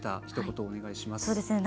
ひと言、お願いします。